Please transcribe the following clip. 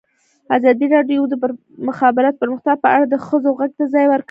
ازادي راډیو د د مخابراتو پرمختګ په اړه د ښځو غږ ته ځای ورکړی.